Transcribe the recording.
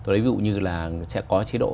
ví dụ như là sẽ có chế độ